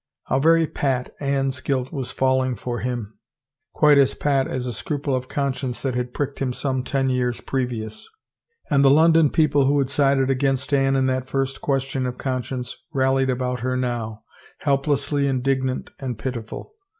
How very pat Anne's guilt was falling for him! Quite as pat as a scruple of conscience that had pricked him some ten years previous. And the Lx)ndon people who had sided against Anne in that first question of conscience rallied about her now, helplessly indignant and pitiful.